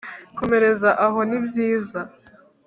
komereza aho ni byiza